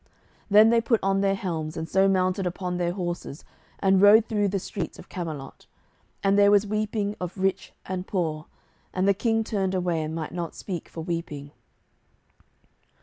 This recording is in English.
Then they put on their helms, and so mounted upon their horses, and rode through the streets of Camelot. And there was weeping of rich and poor, and the King turned away, and might not speak for weeping.